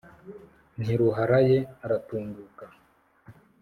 ntiruharaye aratunguka.